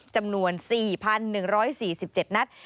จำนวน๔๑๔๗นัด